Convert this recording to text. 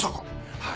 はい。